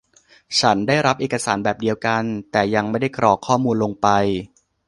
ฉันได้รับเอกสารแบบเดียวกัน แต่ยังไม่ได้กรอกข้อมูลลงไป